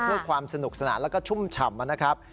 เพื่อความสนุกสนานแล้วก็ชุ่มฉ่ำนะครับ